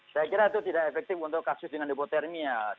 saya kira itu tidak efektif untuk kasus dengan hipotermia